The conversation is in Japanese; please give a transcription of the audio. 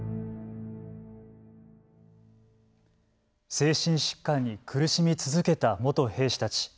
精神疾患に苦しみ続けた元兵士たち。